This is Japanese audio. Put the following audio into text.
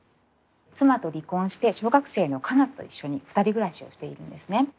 妻と離婚して小学生の夏菜と一緒に２人暮らしをしているんですね。